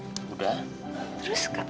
aku juga yakin aku juga yakin